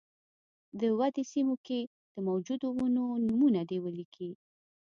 د ودې سیمو کې د موجودو ونو نومونه دې ولیکي.